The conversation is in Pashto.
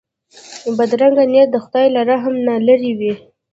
بدرنګه نیت د خدای له رحم نه لیرې وي